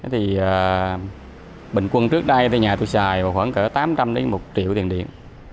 thế thì bình quân trước đây nhà tôi xài khoảng tám trăm linh một triệu tiền điện